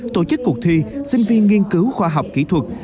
tổ chức cuộc thi sinh viên nghiên cứu khoa học kỹ thuật